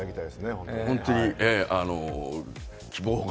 本当に希望が。